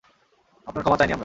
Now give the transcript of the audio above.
আপনার ক্ষমা চাইনি আমরা।